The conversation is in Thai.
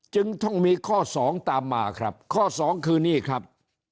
จึงต้องมีข้อสองตามมาครับข้อสองคือนี่ครับ